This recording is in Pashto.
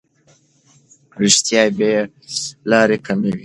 رښتیا بې لارۍ کموي.